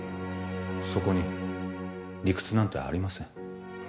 そこに理屈なんてありません